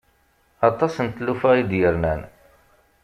Aṭas n tlufa i d-yernan.